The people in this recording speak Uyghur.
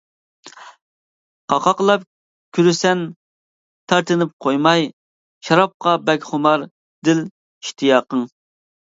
قاقاقلاپ كۈلىسەن تارتىنىپ قويماي، شارابقا بەك خۇمار دىل ئىشتىياقىڭ.